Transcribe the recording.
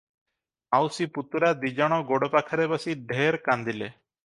ମାଉସୀ ପୁତୁରା ଦି'ଜଣ ଗୋଡ଼ ପାଖରେ ବସି ଢେର କାନ୍ଦିଲେ ।